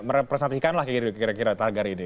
merpresentasikanlah kira kira tagar ini